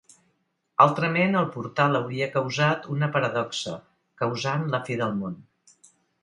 Altrament, el portal hauria causat una paradoxa, causant la fi del món.